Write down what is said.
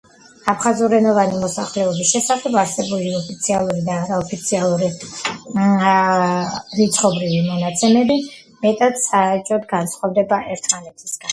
აფხაზურენოვანი მოსახლეობის შესახებ არსებული ოფიციალური და არაოფიციალური რიცხვობრივი მონაცემები მეტად საეჭვოდ განსხვავდება ერთმანეთისაგან.